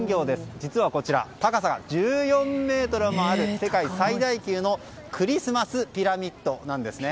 実はこちら高さが１４ｍもある世界最大級のクリスマスピラミッドなんですね。